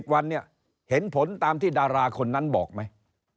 ๗วันเนี่ยเห็นผลตามที่ดาราคนนั้นบอกไหม